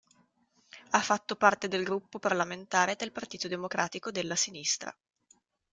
Ha fatto parte del gruppo parlamentare del Partito Democratico della Sinistra.